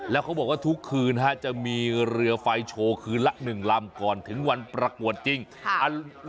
แล้วเขาบอกว่าทุกคืนจะมีเรือไฟโชว์คืนละ๑ลำก่อนถึงวันประกวดจริง